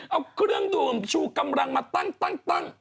เอาเครื่องดื่มชูกำลังมาตั้ง